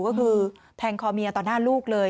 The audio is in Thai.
ก็คือแทงคอเมียต่อหน้าลูกเลย